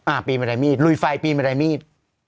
ปีนบันไดมีดลุยไฟปีนบันไดมีด